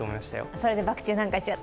それでバク宙なんかしちゃって。